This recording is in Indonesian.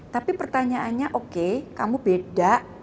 tapi pertanyaannya oke kamu beda